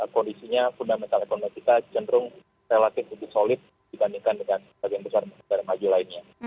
kondisinya fundamental ekonomi kita cenderung relatif lebih solid dibandingkan dengan bagian besar negara maju lainnya